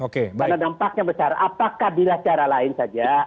karena dampaknya besar apakah bila secara lain saja